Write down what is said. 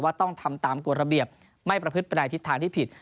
ต้องทำตามกฎระเบียบไม่ประพฤติไปในทิศทางที่ผิด